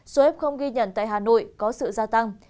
số ép không ghi nhận tại hà nội có sự gia tăng